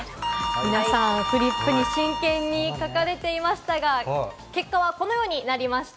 皆さん、フリップに真剣に書かれていましたが、結果はこのようになりました。